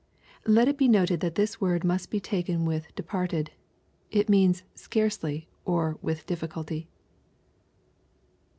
] Let it be noted that this word must be taken with " departed." It means " scarcely, or " with difficulty."